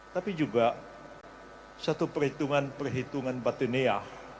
tapi juga satu perhitungan perhitungan batunia